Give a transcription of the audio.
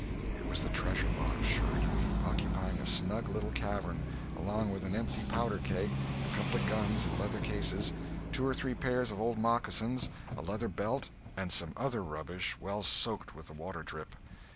It was the treasure box, sure enough, occupying a snug little cavern, along with an empty powder keg, a couple of guns in leather cases, two or three pairs of old moccasins, a leather belt, and some other rubbish well soaked with the water drip.